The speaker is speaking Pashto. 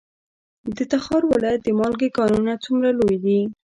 د تخار ولایت د مالګې کانونه څومره لوی دي؟